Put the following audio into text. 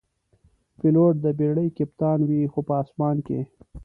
پیلوټ د بېړۍ کپتان وي، خو په آسمان کې.